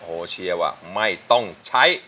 โอ้เชียวว่าไม่ต้องใช้